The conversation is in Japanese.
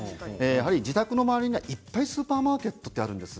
自宅の周りにはいっぱいスーパーマーケットってあるんです。